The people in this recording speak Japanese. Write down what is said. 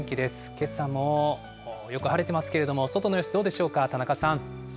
けさもよく晴れてますけれども、外の様子、どうでしょうか。